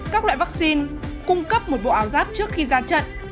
các loại vắc xin cung cấp một bộ áo giáp trước khi ra trận